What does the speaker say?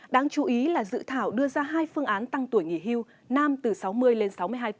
đáng chú ý là dự thảo đưa ra hai phương án tăng tuổi nghỉ hưu nam từ sáu mươi lên sáu mươi hai